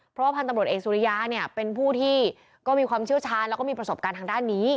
เพราะว่าพันธุ์ตำรวจเอกสุริยาเนี่ยเป็นผู้ที่ก็มีความเชี่ยวชาญแล้วก็มีประสบการณ์ทางด้านนี้